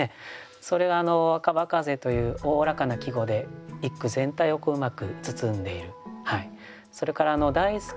それが「若葉風」というおおらかな季語で一句全体をうまく包んでいる。